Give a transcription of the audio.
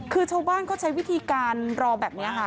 คือชาวบ้านเขาใช้วิธีการรอแบบนี้ค่ะ